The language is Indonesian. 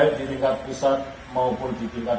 baik di tingkat pusat maupun di tingkat